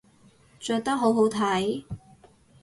着得好好睇